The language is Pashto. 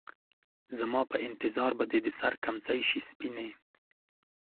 زما په انتظار به دې د سـر کمڅـۍ شي سپينې